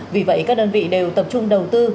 vì vậy các đơn vị đều tập trung đầu tư